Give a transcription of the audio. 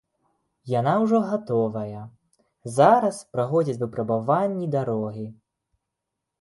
Яна ўжо гатовая, зараз праходзяць выпрабаванні дарогі.